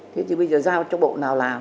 thế thì bây giờ giao cho bộ nào làm